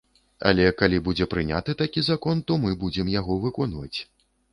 Але калі будзе прыняты такі закон, то мы будзем яго выконваць.